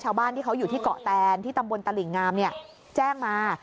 ชาวบ้านที่เขาอยู่ที่เกาะแตนที่ตำบลตลิ่งงามแจ้งมา